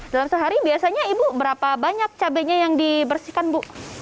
dalam sehari biasanya ibu berapa banyak cabainya yang dibersihkan bu